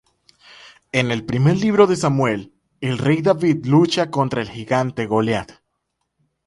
En el Primer Libro de Samuel, el Rey David lucha contra el gigante Goliath.